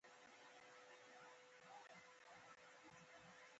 نومځری هغه کلمه ده چې د نامه پر ځای کاریږي.